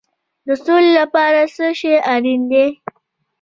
د سولې لپاره څه شی اړین دی؟